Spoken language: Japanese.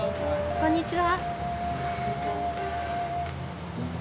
こんにちは。